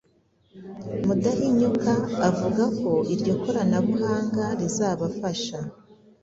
Mudahinyuka, avuga ko iryo koranabuhanga rizabafasha